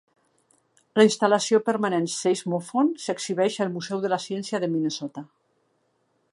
La instal·lació permanent Seismofon s'exhibeix al Museu de la Ciència de Minnesota.